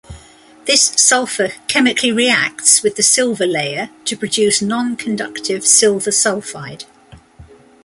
This sulfur chemically reacts with the silver layer to produce non-conductive silver sulfide.